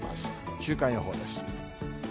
週間予報です。